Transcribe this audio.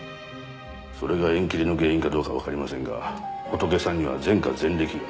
それが縁切りの原因かどうかはわかりませんがホトケさんには前科前歴がありました。